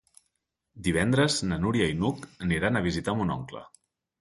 Divendres na Núria i n'Hug aniran a visitar mon oncle.